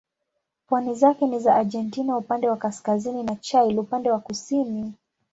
Pwani zake ni za Argentina upande wa kaskazini na Chile upande wa kusini.